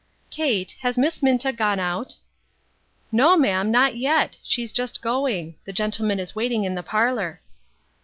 " Kate, has Miss Minta gone out? " "No, ma'am, not yet; she's just going; the gentleman is waiting in the parlor."